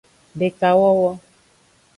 Dekawowo.